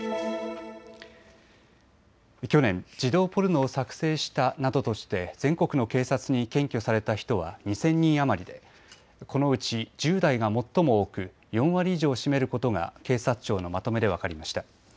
去年、児童ポルノを作成したなどとして全国の警察に検挙された人は２０００人余りでこのうち１０代が最も多く４割以上を占めることが警察庁のまとめで分かりました。